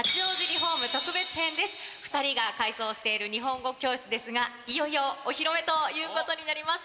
２人が改装している日本語教室ですがいよいよお披露目ということになります。